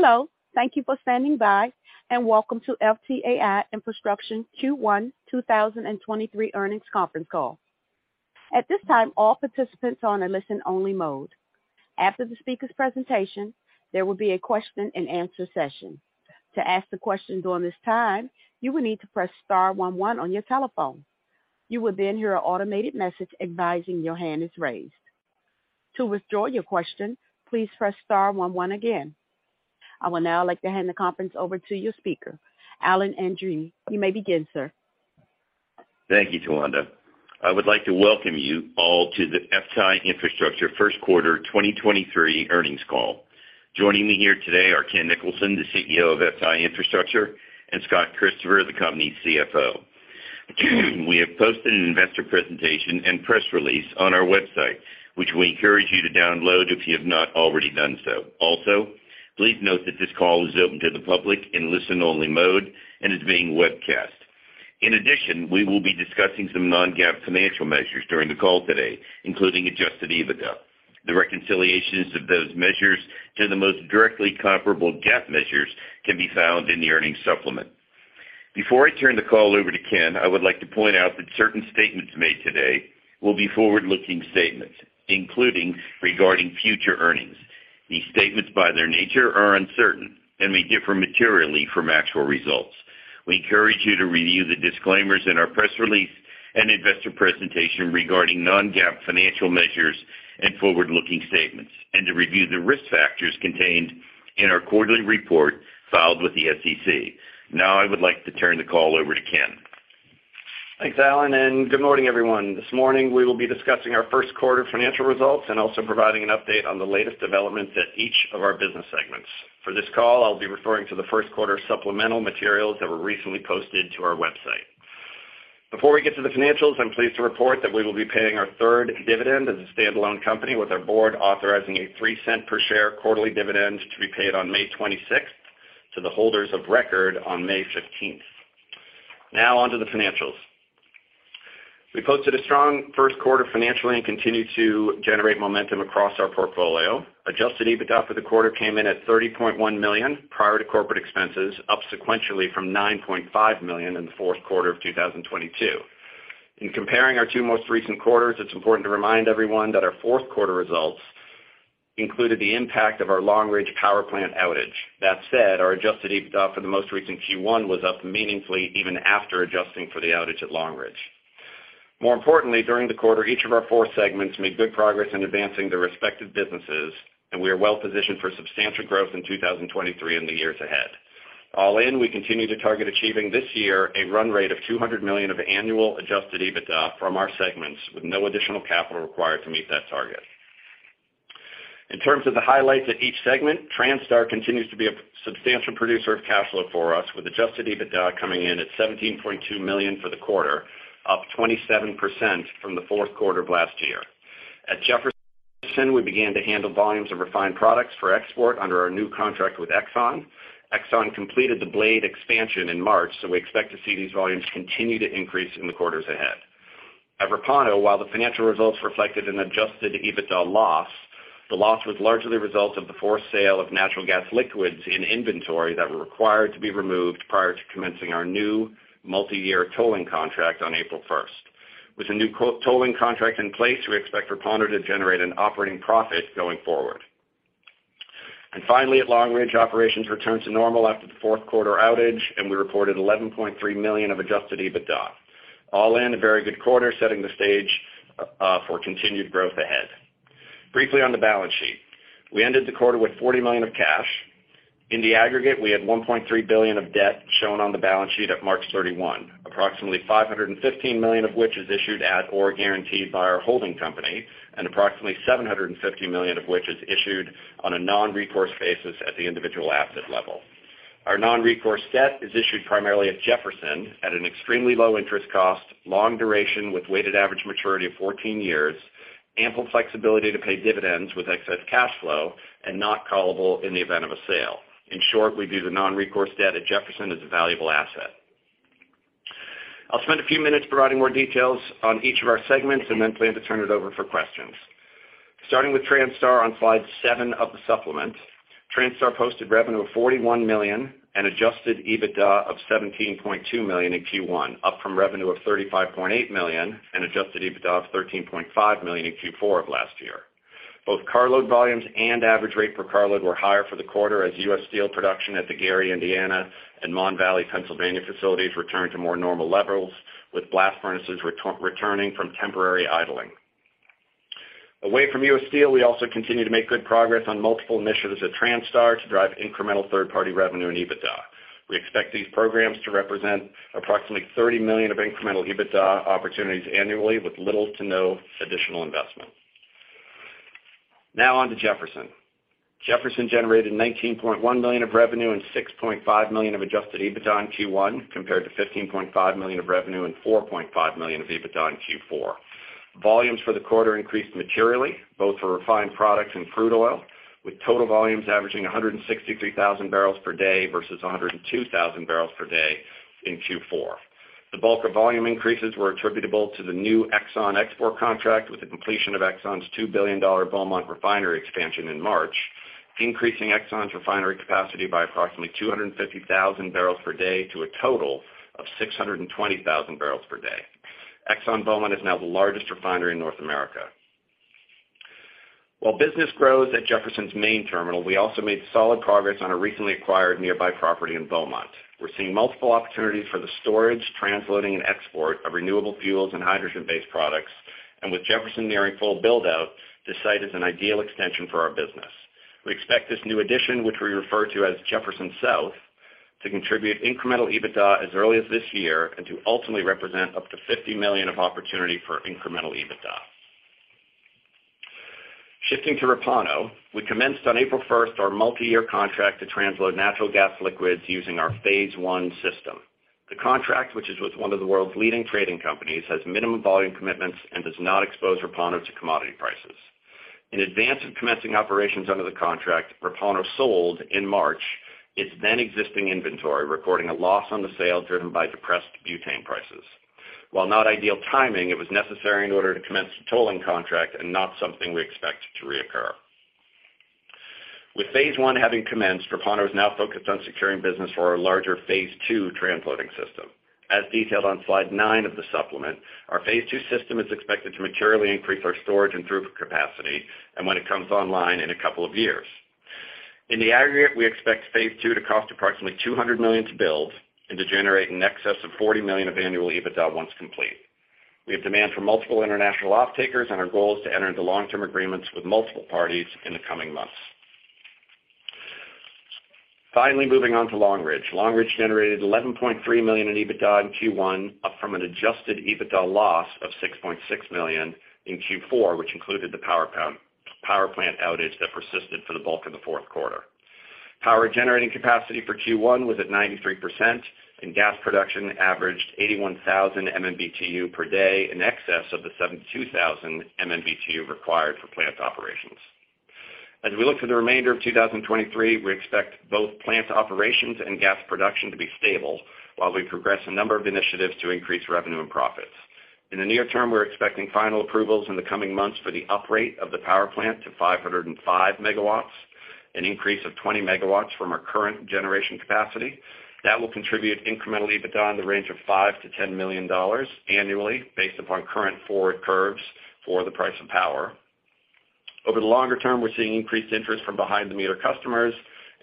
Hello. Thank you for standing by, and welcome to FTAI Infrastructure Q1 2023 earnings conference call. At this time, all participants are on a listen only mode. After the speaker's presentation, there will be a Q&A session. To ask the question during this time, you will need to press star one one on your telephone. You will hear an automated message advising your hand is raised. To withdraw your question, please press star one one again. I will now like to hand the conference over to your speaker, Alan Andreini. You may begin, sir. Thank you, Towanda. I would like to welcome you all to the FTAI Infrastructure first quarter 2023 earnings call. Joining me here today are Ken Nicholson, the CEO of FTAI Infrastructure, and Scott Christopher, the company's CFO. We have posted an investor presentation and press release on our website, which we encourage you to download if you have not already done so. Please note that this call is open to the public in listen-only mode and is being webcast. We will be discussing some non-GAAP financial measures during the call today, including adjusted EBITDA. The reconciliations of those measures to the most directly comparable GAAP measures can be found in the earnings supplement. Before I turn the call over to Ken, I would like to point out that certain statements made today will be forward-looking statements, including regarding future earnings. These statements, by their nature, are uncertain and may differ materially from actual results. We encourage you to review the disclaimers in our press release and investor presentation regarding non-GAAP financial measures and forward-looking statements, and to review the risk factors contained in our quarterly report filed with the SEC. Now I would like to turn the call over to Ken. Thanks, Alan, and good morning, everyone. This morning, we will be discussing our first quarter financial results and also providing an update on the latest developments at each of our business segments. For this call, I'll be referring to the first quarter supplemental materials that were recently posted to our website. Before we get to the financials, I'm pleased to report that we will be paying our third dividend as a standalone company with our board authorizing a $0.03 per share quarterly dividend to be paid on May 26th to the holders of record on May 15th. Now on to the financials. We posted a strong first quarter financially and continued to generate momentum across our portfolio. Adjusted EBITDA for the quarter came in at $30.1 million prior to corporate expenses, up sequentially from $9.5 million in the fourth quarter of 2022. In comparing our two most recent quarters, it's important to remind everyone that our fourth quarter results included the impact of our Long Ridge power plant outage. Our adjusted EBITDA for the most recent Q1 was up meaningfully even after adjusting for the outage at Long Ridge. More importantly, during the quarter, each of our four segments made good progress in advancing their respective businesses, and we are well positioned for substantial growth in 2023 and the years ahead. All in, we continue to target achieving this year a run rate of $200 million of annual adjusted EBITDA from our segments with no additional capital required to meet that target. In terms of the highlights at each segment, Transtar continues to be a substantial producer of cash flow for us, with adjusted EBITDA coming in at $17.2 million for the quarter, up 27% from the fourth quarter of last year. At Jefferson, we began to handle volumes of refined products for export under our new contract with Exxon. Exxon completed the BLADE expansion in March. We expect to see these volumes continue to increase in the quarters ahead. At Repauno, while the financial results reflected an adjusted EBITDA loss, the loss was largely the result of the forced sale of natural gas liquids in inventory that were required to be removed prior to commencing our new multi-year tolling contract on April first. With the new tolling contract in place, we expect Repauno to generate an operating profit going forward. Finally, at Long Ridge, operations returned to normal after the fourth quarter outage, and we reported $11.3 million of adjusted EBITDA. All in, a very good quarter, setting the stage for continued growth ahead. Briefly on the balance sheet. We ended the quarter with $40 million of cash. In the aggregate, we had $1.3 billion of debt shown on the balance sheet at March 31st, approximately $515 million of which is issued at or guaranteed by our holding company, and approximately $750 million of which is issued on a non-recourse basis at the individual asset level. Our non-recourse debt is issued primarily at Jefferson at an extremely low interest cost, long duration with weighted average maturity of 14 years, ample flexibility to pay dividends with excess cash flow and not callable in the event of a sale. In short, we view the non-recourse debt at Jefferson as a valuable asset. I'll spend a few minutes providing more details on each of our segments and then plan to turn it over for questions. Starting with Transtar on slide 7 of the supplement. Transtar posted revenue of $41 million and adjusted EBITDA of $17.2 million in Q1, up from revenue of $35.8 million and adjusted EBITDA of $13.5 million in Q4 of last year. Both carload volumes and average rate per carload were higher for the quarter as U.S. Steel production at the Gary, Indiana and Mon Valley, Pennsylvania facilities returned to more normal levels, with blast furnaces returning from temporary idling. Away from U.S. Steel, we also continue to make good progress on multiple initiatives at Transtar to drive incremental third-party revenue and EBITDA. We expect these programs to represent approximately $30 million of incremental EBITDA opportunities annually with little to no additional investment. On to Jefferson. Jefferson generated $19.1 million of revenue and $6.5 million of adjusted EBITDA in Q1, compared to $15.5 million of revenue and $4.5 million of EBITDA in Q4. Volumes for the quarter increased materially, both for refined products and crude oil, with total volumes averaging 163,000 barrels per day versus 102,000 barrels per day in Q4. The bulk of volume increases were attributable to the new Exxon export contract with the completion of Exxon's $2 billion Beaumont refinery expansion in March, increasing Exxon's refinery capacity by approximately 250,000 barrels per day to a total of 620,000 barrels per day. ExxonMobil Beaumont is now the largest refinery in North America. While business grows at Jefferson's main terminal, we also made solid progress on a recently acquired nearby property in Beaumont. We're seeing multiple opportunities for the storage, transloading, and export of renewable fuels and hydrogen-based products, and with Jefferson nearing full build-out, this site is an ideal extension for our business. We expect this new addition, which we refer to as Jefferson South, to contribute incremental EBITDA as early as this year and to ultimately represent up to $50 million of opportunity for incremental EBITDA. Shifting to Repauno, we commenced on April 1st our multi-year contract to transload natural gas liquids using our phase I system. The contract, which is with one of the world's leading trading companies, has minimum volume commitments and does not expose Repauno to commodity prices. In advance of commencing operations under the contract, Repauno sold in March its then existing inventory, recording a loss on the sale driven by depressed butane prices. Not ideal timing, it was necessary in order to commence the tolling contract and not something we expect to reoccur. With phase I having commenced, Repauno is now focused on securing business for our larger phase II transloading system. As detailed on slide 9 of the supplement, our phase II system is expected to materially increase our storage and throughput capacity and when it comes online in a couple of years. In the aggregate, we expect phase II to cost approximately $200 million to build and to generate in excess of $40 million of annual EBITDA once complete. We have demand from multiple international off-takers, and our goal is to enter into long-term agreements with multiple parties in the coming months. Finally, moving on to Long Ridge. Long Ridge generated $11.3 million in EBITDA in Q1, up from an adjusted EBITDA loss of $6.6 million in Q4, which included the power plant outage that persisted for the bulk of the fourth quarter. Power generating capacity for Q1 was at 93%, and gas production averaged 81,000 MMBtu per day, in excess of the 72,000 MMBtu required for plant operations. As we look to the remainder of 2023, we expect both plant operations and gas production to be stable while we progress a number of initiatives to increase revenue and profits. In the near term, we're expecting final approvals in the coming months for the upgrade of the power plant to 505 MW, an increase of 20 MW from our current generation capacity. That will contribute incremental EBITDA in the range of $5 million-$10 million annually based upon current forward curves for the price of power. Over the longer term, we're seeing increased interest from behind-the-meter customers,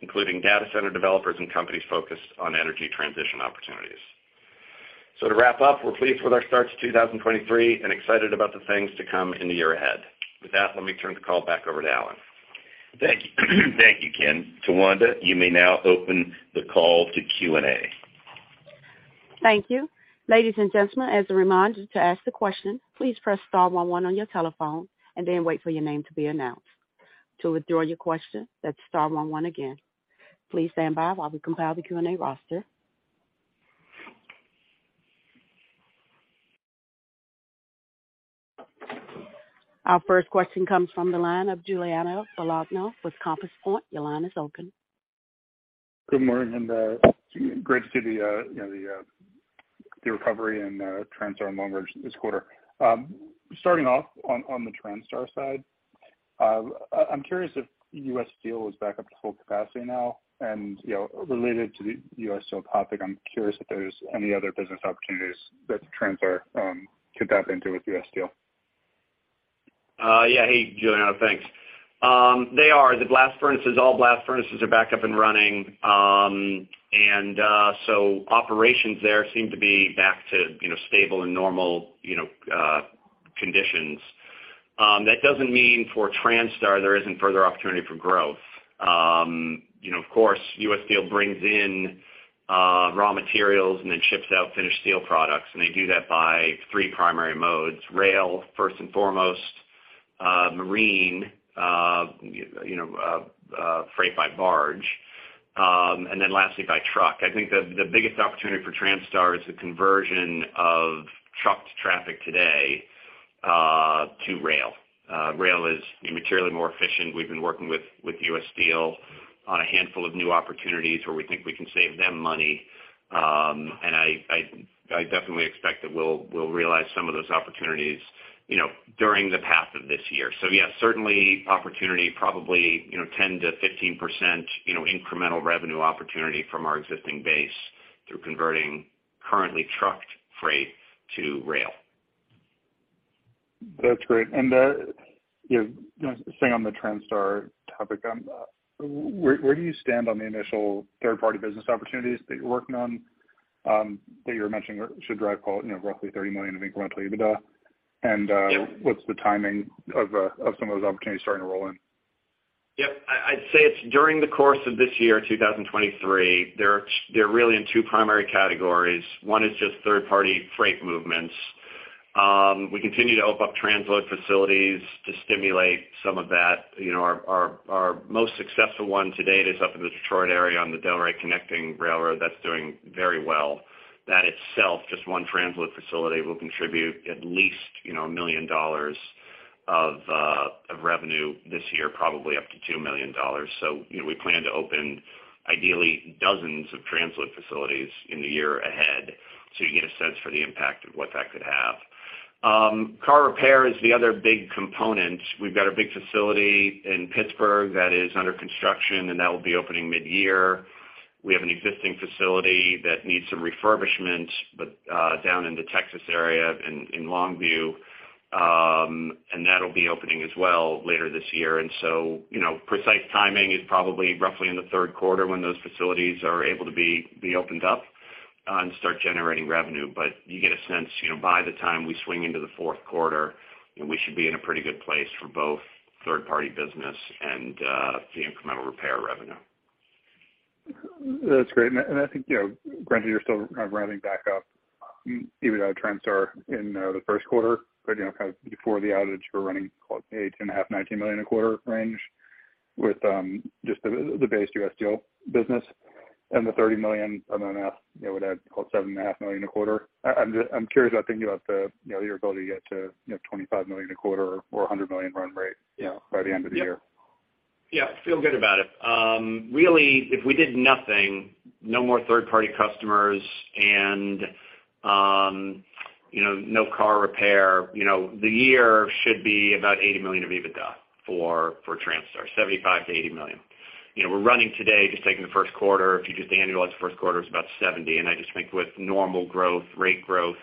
including data center developers and companies focused on energy transition opportunities. To wrap up, we're pleased with our start to 2023 and excited about the things to come in the year ahead. With that, let me turn the call back over to Alan. Thank you. Thank you, Ken. Towanda, you may now open the call to Q&A. Thank you. Ladies and gentlemen, as a reminder to ask the question, please press star one one on your telephone and then wait for your name to be announced. To withdraw your question, that's star one one again. Please stand by while we compile the Q&A roster. Our first question comes from the line of Giuliano Bologna with Compass Point. Giuliano's open. Good morning, great to see the, you know, the recovery in Transtar and Long Ridge this quarter. Starting off on the Transtar side, I'm curious if U.S. Steel is back up to full capacity now. You know, related to the U.S. Steel topic, I'm curious if there's any other business opportunities that Transtar could tap into with U.S. Steel. Yeah. Hey, Giuliano, thanks. They are. The blast furnaces, all blast furnaces are back up and running. So operations there seem to be back to, you know, stable and normal, you know, conditions. That doesn't mean for Transtar there isn't further opportunity for growth. You know, of course, U.S. Steel brings in raw materials and then ships out finished steel products, and they do that by three primary modes: rail, first and foremost, marine, you know, freight by barge, and then lastly by truck. I think the biggest opportunity for Transtar is the conversion of trucked traffic today to rail. Rail is materially more efficient. We've been working with U.S. Steel on a handful of new opportunities where we think we can save them money. I definitely expect that we'll realize some of those opportunities, you know, during the path of this year. Yes, certainly opportunity probably, you know, 10%-15%, you know, incremental revenue opportunity from our existing base through converting currently trucked freight to rail. That's great. You know, staying on the Transtar topic, where do you stand on the initial third-party business opportunities that you're working on, that you're mentioning should drive, you know, roughly $30 million of incremental EBITDA? Yeah. What's the timing of some of those opportunities starting to roll in? Yep. I'd say it's during the course of this year, 2023. They're really in two primary categories. One is just third-party freight movements. We continue to open up transload facilities to stimulate some of that. You know, our most successful one to date is up in the Detroit area on the Delray Connecting Railroad. That's doing very well. That itself, just one transload facility will contribute at least, you know, $1 million of revenue this year, probably up to $2 million. You know, we plan to open ideally dozens of transload facilities in the year ahead, so you get a sense for the impact of what that could have. Car repair is the other big component. We've got a big facility in Pittsburgh that is under construction, and that will be opening midyear. We have an existing facility that needs some refurbishment, but down in the Texas area in Longview, and that'll be opening as well later this year. You know, precise timing is probably roughly in the third quarter when those facilities are able to be opened up, and start generating revenue. You get a sense, you know, by the time we swing into the fourth quarter, you know, we should be in a pretty good place for both third-party business and the incremental repair revenue. That's great. I, and I think, you know, granted you're still kind of rounding back up, even though Transtar are in, the first quarter, but, you know, kind of before the outage, we're running, what, $8.5 million-$19 million a quarter range with, just the base U.S. Steel business and the $30 million M&S, it would add, what, $7.5 million a quarter. I'm just curious about thinking about the, you know, your ability to get to, you know, $25 million a quarter or a $100 million run rate, you know, by the end of the year. Yeah. Feel good about it. Really, if we did nothing, no more third-party customers and, you know, no car repair, you know, the year should be about $80 million of EBITDA for Transtar, $75 million-$80 million. You know, we're running today, just taking the first quarter. If you just annualize the first quarter, it's about $70 million. I just think with normal growth, rate growth,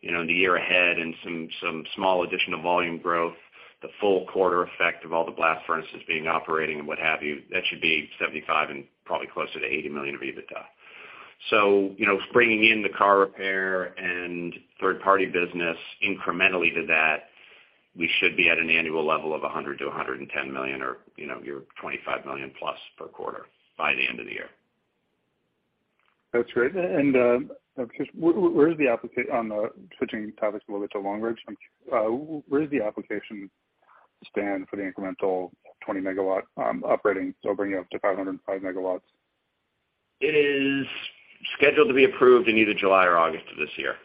you know, in the year ahead and some small additional volume growth, the full quarter effect of all the blast furnaces being operating and what have you, that should be $75 million and probably closer to $80 million of EBITDA. You know, bringing in the car repair and third-party business incrementally to that, we should be at an annual level of $100 million-$110 million or, you know, your $25 million+ per quarter by the end of the year. That's great. I'm curious, where is the application on the... Switching topics a little bit to Long Ridge, where does the application stand for the incremental 20 MW operating? Bringing it up to 505 MW. It is scheduled to be approved in either July or August of this year.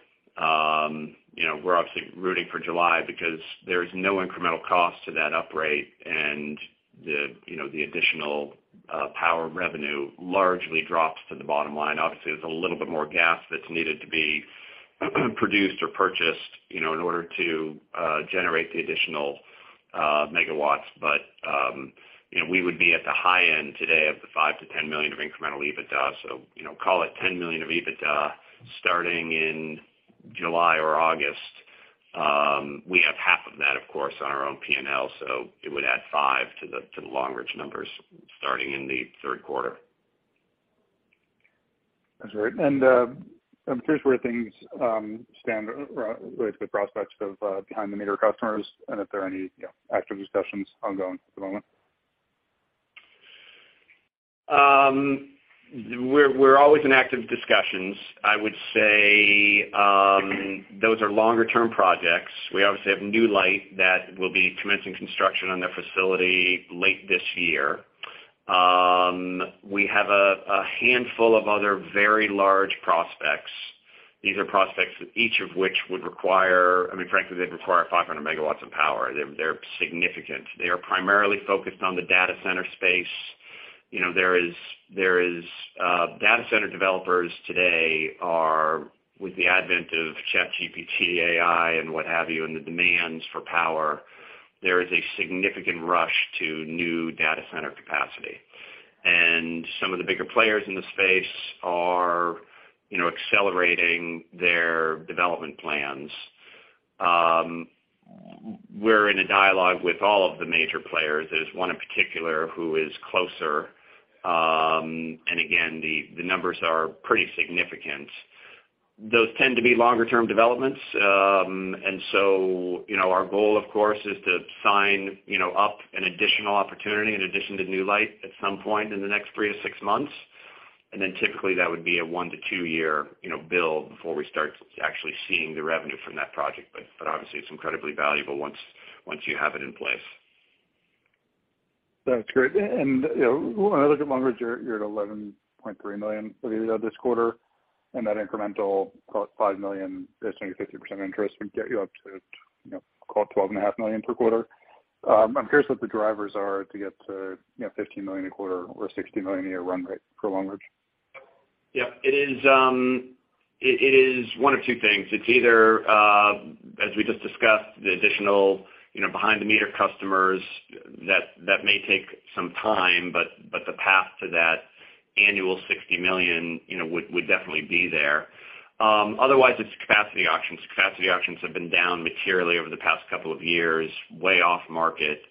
You know, we're obviously rooting for July because there is no incremental cost to that upgrade, and the, you know, the additional power revenue largely drops to the bottom line. Obviously, there's a little bit more gas that's needed to be produced or purchased, you know, in order to generate the additional megawatts. You know, we would be at the high end today of the $5 million-$10 million of incremental EBITDA. You know, call it $10 million of EBITDA starting in July or August. We have half of that, of course, on our own P&L, so it would add $5 to the, to the Long Ridge numbers starting in the third quarter. That's right. I'm curious where things stand relates to the prospects of behind-the-meter customers and if there are any, you know, active discussions ongoing at the moment. We're always in active discussions. I would say, those are longer-term projects. We obviously have Newlight Technologies that will be commencing construction on their facility late this year. We have a handful of other very large prospects. These are prospects each of which, I mean, frankly, they'd require 500 MW of power. They're significant. They are primarily focused on the data center space. You know, there is Data center developers today are, with the advent of ChatGPT, AI and what have you, and the demands for power, there is a significant rush to new data center capacity. Some of the bigger players in the space are, you know, accelerating their development plans. We're in a dialogue with all of the major players. There's one in particular who is closer. Again, the numbers are pretty significant. Those tend to be longer term developments. You know, our goal, of course, is to sign, you know, up an additional opportunity in addition to Newlight Technologies at some point in the next 3 to 6 months. Typically that would be a 1 to 2 year, you know, build before we start actually seeing the revenue from that project. Obviously it's incredibly valuable once you have it in place. That's great. You know, when I look at Long Ridge, you're at $11.3 million of EBITDA this quarter, and that incremental, call it $5 million, assuming 50% interest would get you up to, you know, call it $12.5 million per quarter. I'm curious what the drivers are to get to, you know, $15 million a quarter or $60 million a year run rate for Long Ridge. It is one of two things. It's either, as we just discussed, the additional, you know, behind-the-meter customers that may take some time, but the path to that annual $60 million, you know, would definitely be there. It's capacity auctions. Capacity auctions have been down materially over the past couple of years, way off market.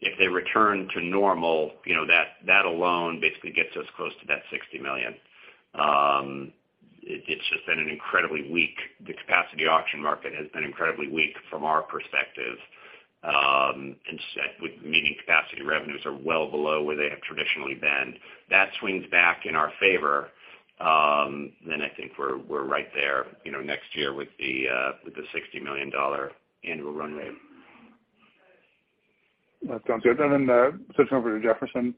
If they return to normal, you know, that alone basically gets us close to that $60 million. The capacity auction market has been incredibly weak from our perspective, and set with meeting capacity revenues are well below where they have traditionally been. That swings back in our favor, then I think we're right there, you know, next year with the $60 million annual run rate. That sounds good. Then, switching over to Jefferson,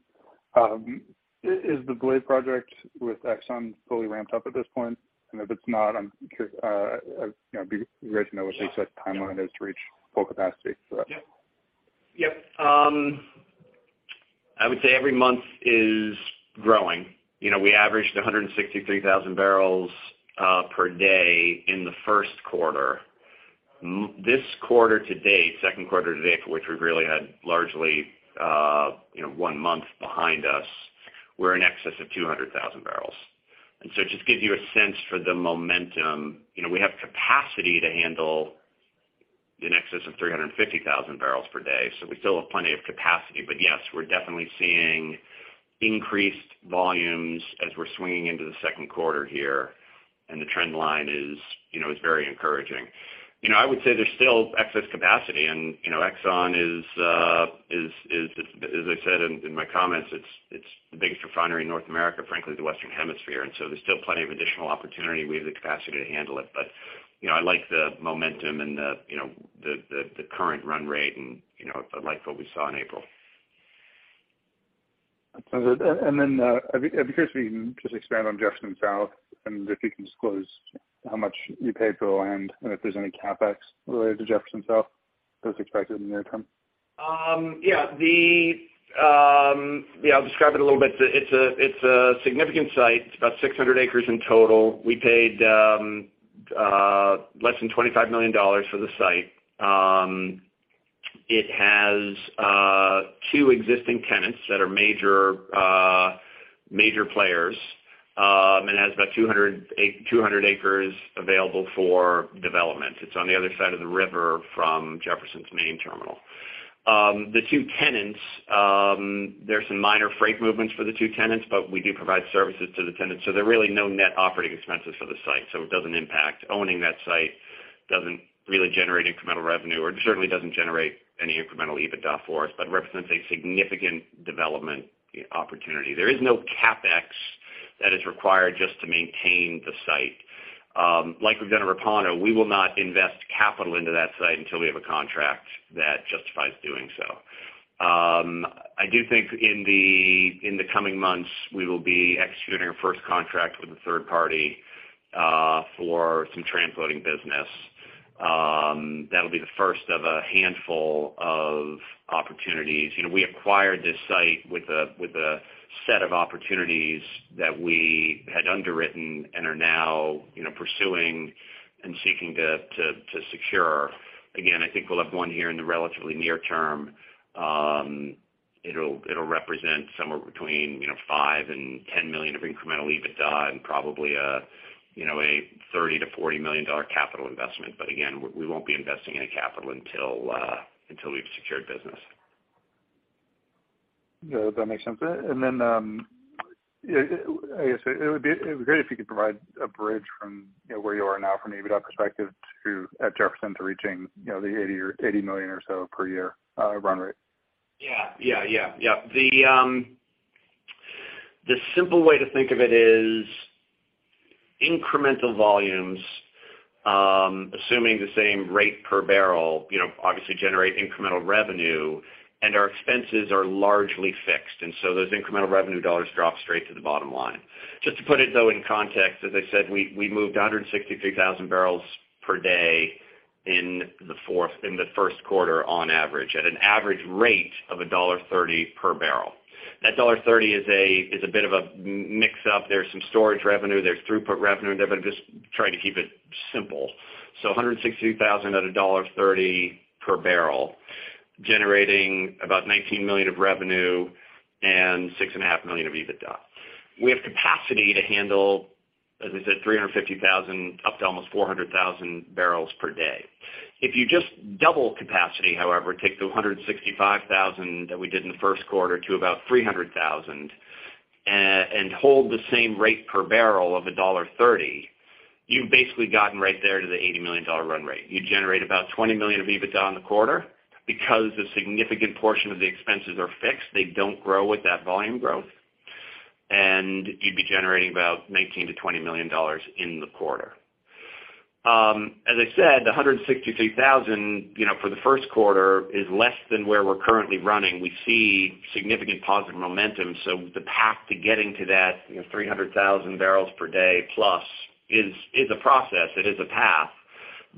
is the BLADE expansion with Exxon fully ramped up at this point? If it's not, I'm curious, you know, it'd be great to know what the exact timeline is to reach full capacity for that. Yep. I would say every month is growing. You know, we averaged 163,000 barrels per day in the first quarter. This quarter to date, second quarter to date, for which we've really had largely, you know, one month behind us, we're in excess of 200,000 barrels. It just gives you a sense for the momentum. You know, we have capacity to handle in excess of 350,000 barrels per day, so we still have plenty of capacity. Yes, we're definitely seeing increased volumes as we're swinging into the second quarter here, and the trend line is, you know, is very encouraging. You know, I would say there's still excess capacity. You know, Exxon is as I said in my comments, it's the biggest refinery in North America, frankly, the Western Hemisphere. There's still plenty of additional opportunity. We have the capacity to handle it. You know, I like the momentum and the, you know, the current run rate and, you know, I like what we saw in April. Sounds good. I'd be curious if you can just expand on Jefferson South, and if you can disclose how much you paid for the land and if there's any CapEx related to Jefferson South that's expected in the near term. Yeah. The... Yeah, I'll describe it a little bit. It's a, it's a significant site. It's about 600 acres in total. We paid less than $25 million for the site. It has two existing tenants that are major players, and has about 200 acres available for development. It's on the other side of the river from Jefferson's main terminal. The two tenants, there's some minor freight movements for the two tenants, but we do provide services to the tenants, so there are really no net operating expenses for the site, so it doesn't impact. Owning that site doesn't really generate incremental revenue, or it certainly doesn't generate any incremental EBITDA for us, but represents a significant development opportunity. There is no CapEx that is required just to maintain the site. Like we've done at Repauno, we will not invest capital into that site until we have a contract that justifies doing so. I do think in the coming months, we will be executing our first contract with a third party for some transloading business. That'll be the first of a handful of opportunities. You know, we acquired this site with a set of opportunities that we had underwritten and are now, you know, pursuing and seeking to secure. Again, I think we'll have one here in the relatively near term. It'll represent somewhere between, you know, $5 million-$10 million of incremental EBITDA and probably a, you know, $30 million-$40 million capital investment. Again, we won't be investing any capital until we've secured business. Yeah. That makes sense. Then, I guess it would be great if you could provide a bridge from, you know, where you are now from an EBITDA perspective to, at Jefferson, to reaching, you know, the $80 million or so per year run rate. Yeah. The simple way to think of it is incremental volumes, assuming the same rate per barrel, you know, obviously generate incremental revenue, and our expenses are largely fixed. Those incremental revenue dollars drop straight to the bottom line. Just to put it though, in context, as I said, we moved 163,000 barrels per day in the first quarter on average, at an average rate of $1.30 per barrel. That $1.30 is a bit of a mix up. There's some storage revenue, there's throughput revenue in there, I'm just trying to keep it simple. 162,000 at $1.30 per barrel, generating about $19 million of revenue and $6.5 million of EBITDA. We have capacity to handle, as I said, 350,000, up to almost 400,000 barrels per day. If you just double capacity, however, take the 165,000 that we did in the first quarter to about 300,000, and hold the same rate per barrel of $1.30, you've basically gotten right there to the $80 million run rate. You generate about $20 million of EBITDA in the quarter. The significant portion of the expenses are fixed, they don't grow with that volume growth, and you'd be generating about $19 million-$20 million in the quarter. As I said, the 163,000, you know, for the first quarter is less than where we're currently running. We see significant positive momentum. The path to getting to that, you know, 300,000 barrels per day plus is a process. It is a path.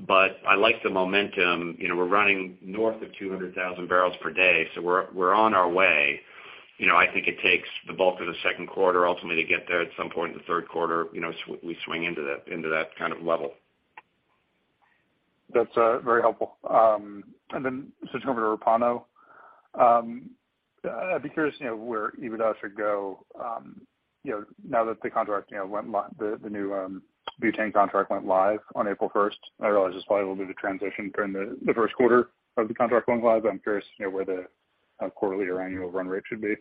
I like the momentum. You know, we're running north of 200,000 barrels per day, so we're on our way. You know, I think it takes the bulk of the second quarter ultimately to get there. At some point in the third quarter, you know, we swing into that, into that kind of level. That's very helpful. Switching over to Repauno. I'd be curious, you know, where EBITDA should go, you know, now that the contract, you know, the new butane contract went live on April 1st. I realize there's probably a little bit of transition during the 1st quarter of the contract going live. I'm curious, you know, where the quarterly or annual run rate should be.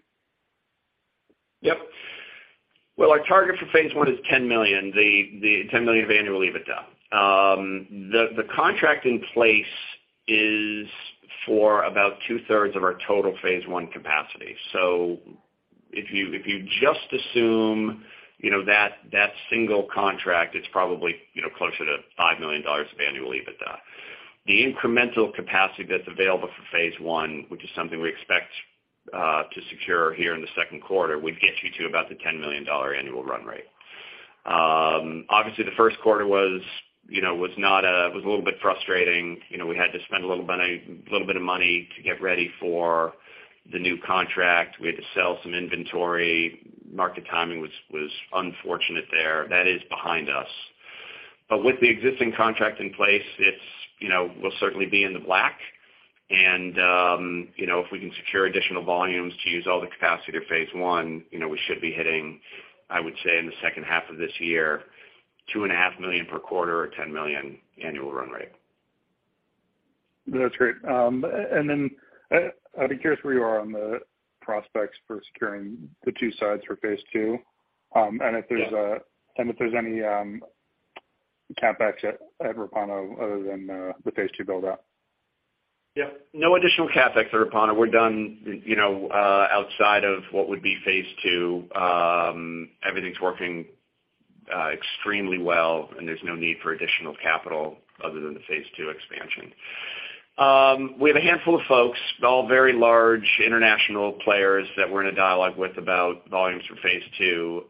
Yep. Our target for phase I is $10 million, the $10 million of annual EBITDA. The contract in place is for about two-thirds of our total phase I capacity. If you just assume, you know, that single contract, it's probably, you know, closer to $5 million of annual EBITDA. The incremental capacity that's available for phase I, which is something we expect to secure here in the second quarter, would get you to about the $10 million annual run rate. Obviously, the first quarter was, you know, a little bit frustrating. You know, we had to spend a little bit of money to get ready for the new contract. We had to sell some inventory. Market timing was unfortunate there. That is behind us. With the existing contract in place, it's, you know, we'll certainly be in the black and, you know, if we can secure additional volumes to use all the capacity of phase I, you know, we should be hitting, I would say, in the second half of this year, two and a half million per quarter or $10 million annual run rate. That's great. I'd be curious where you are on the prospects for securing the 2 sides for phase II. If there's. Yeah. If there's any CapEx at Repauno other than the phase II build out? Yeah. No additional CapEx at Repauno. We're done, you know, outside of what would be phase II. Everything's working extremely well, and there's no need for additional capital other than the phase II expansion. We have a handful of folks, all very large international players, that we're in a dialogue with about volumes for phase II.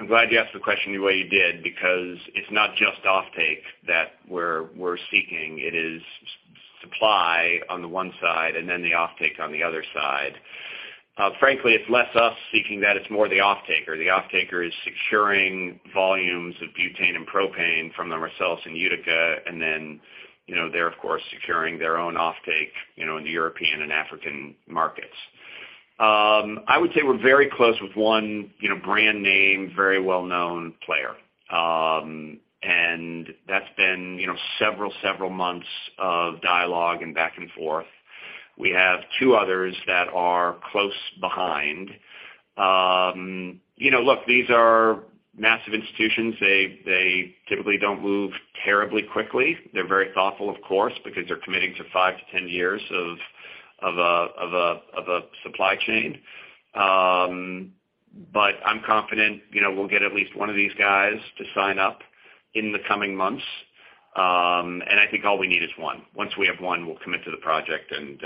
I'm glad you asked the question the way you did because it's not just offtake that we're seeking. It is supply on the one side and then the offtake on the other side. Frankly, it's less us seeking that. It's more the offtaker. The offtaker is securing volumes of butane and propane from them ourselves in Utica. Then, you know, they're, of course, securing their own offtake, you know, in the European and African markets. I would say we're very close with one, you know, brand name, very well-known player. That's been, you know, several months of dialogue and back and forth. We have two others that are close behind. You know, look, these are massive institutions. They typically don't move terribly quickly. They're very thoughtful, of course, because they're committing to five to 10 years of a supply chain. I'm confident, you know, we'll get at least one of these guys to sign up in the coming months. I think all we need is one. Once we have one, we'll commit to the project and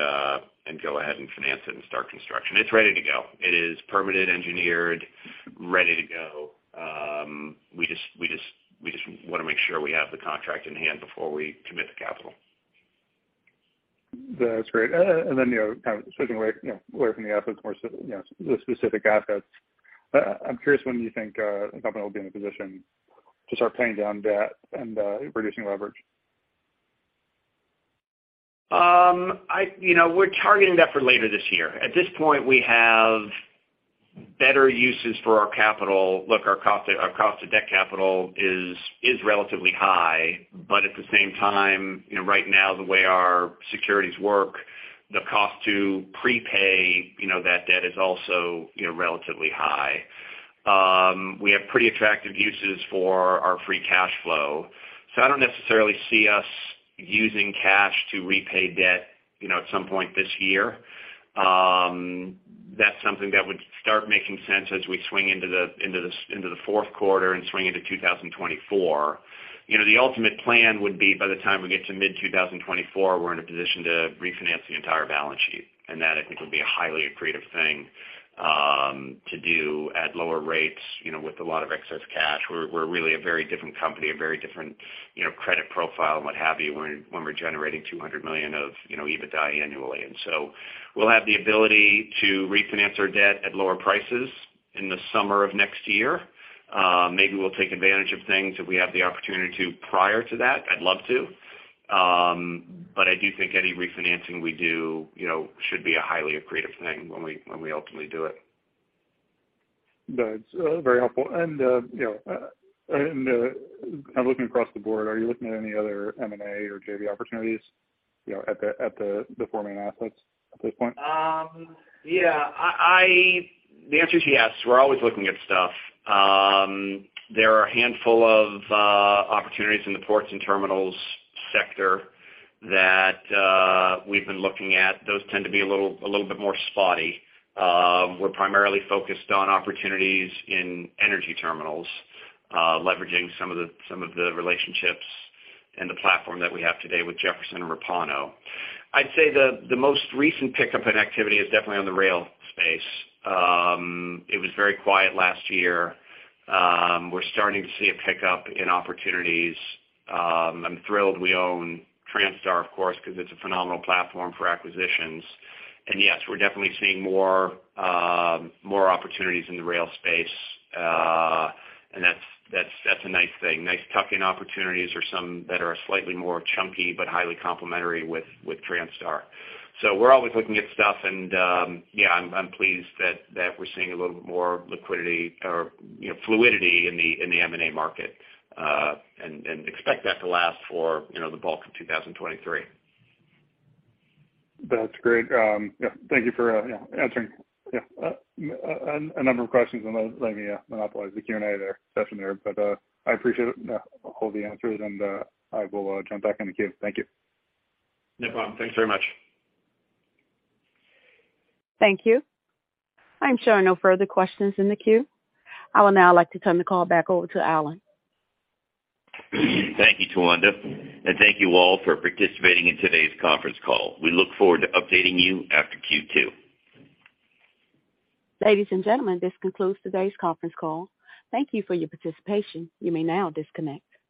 go ahead and finance it and start construction. It's ready to go. It is permitted, engineered, ready to go. We just wanna make sure we have the contract in hand before we commit the capital. That's great. You know, kind of switching away, you know, away from the assets more so, you know, the specific assets. I'm curious, when you think the company will be in a position to start paying down debt and reducing leverage? You know, we're targeting that for later this year. At this point, we have better uses for our capital. Look, our cost to debt capital is relatively high. At the same time, you know, right now, the way our securities work, the cost to prepay, you know, that debt is also, you know, relatively high. We have pretty attractive uses for our free cash flow. I don't necessarily see us using cash to repay debt, you know, at some point this year. That's something that would start making sense as we swing into the fourth quarter and swing into 2024. You know, the ultimate plan would be by the time we get to mid-2024, we're in a position to refinance the entire balance sheet. That, I think, would be a highly accretive thing to do at lower rates, you know, with a lot of excess cash. We're really a very different company, a very different, you know, credit profile and what have you when we're generating $200 million of, you know, EBITDA annually. So we'll have the ability to refinance our debt at lower prices in the summer of next year. Maybe we'll take advantage of things if we have the opportunity to prior to that. I'd love to. I do think any refinancing we do, you know, should be a highly accretive thing when we, when we ultimately do it. That's very helpful. You know, and, kind of looking across the board, are you looking at any other M&A or JV opportunities, you know, at the four main assets at this point? Yeah. The answer is yes. We're always looking at stuff. There are a handful of opportunities in the ports and terminals sector that we've been looking at. Those tend to be a little bit more spotty. We're primarily focused on opportunities in energy terminals, leveraging some of the relationships and the platform that we have today with Jefferson and Repauno. I'd say the most recent pickup in activity is definitely on the rail space. It was very quiet last year. We're starting to see a pickup in opportunities. I'm thrilled we own Transtar, of course, because it's a phenomenal platform for acquisitions. Yes, we're definitely seeing more opportunities in the rail space. That's a nice thing. Nice tuck-in opportunities or some that are slightly more chunky but highly complementary with Transtar. We're always looking at stuff and, yeah, I'm pleased that we're seeing a little bit more liquidity or, you know, fluidity in the M&A market, and expect that to last for, you know, the bulk of 2023. That's great. Yeah, thank you for, you know, answering, yeah, a number of questions and letting me monopolize the Q&A session there. I appreciate all the answers, and I will jump back in the queue. Thank you. No problem. Thanks very much. Thank you. I'm showing no further questions in the queue. I would now like to turn the call back over to Alan. Thank you, Towanda, and thank you all for participating in today's conference call. We look forward to updating you after Q2. Ladies and gentlemen, this concludes today's conference call. Thank you for your participation. You may now disconnect.